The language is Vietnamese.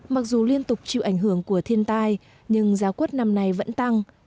mặc dù liên tục chịu ảnh hưởng của thiên tai nhưng giá quất năm nay vẫn tăng